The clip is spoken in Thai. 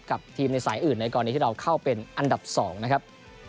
กับทีมในสายอื่นในกรณีที่เราเข้าเป็นอันดับ๒นะครับ